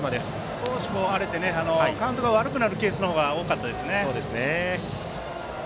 少し荒れてカウントが悪くなるケースが多かったですね。